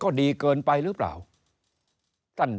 ก็ดีเกินไปหรือเปล่า